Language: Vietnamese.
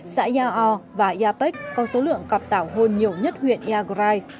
xã ya o và ya pech có số lượng cặp tàu hôn nhiều nhất huyện yagray